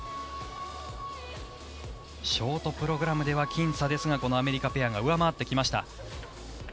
ショートプログラムではきん差ですがこのアメリカペアが上回ってきました。